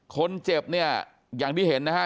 คนเจ็บเนี่ยอย่างที่เห็นนะฮะ